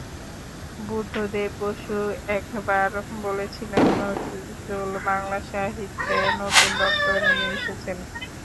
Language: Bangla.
বুদ্ধদেব বসু একবার বলেছিলেন, নজরুল বাংলা সাহিত্যে নতুন রক্ত নিয়ে এসেছেন।